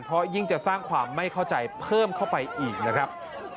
เพราะยิ่งจะสร้างความไม่เข้าใจเพิ่มเข้าไปอีกนะครับ